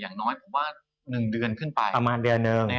อย่างน้อยผมว่า๑เดือนขึ้นไปประมาณเดือนหนึ่ง